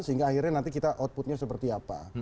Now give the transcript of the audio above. sehingga akhirnya nanti kita outputnya seperti apa